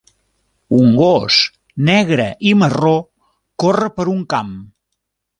Un gos negre i marró corre per un camp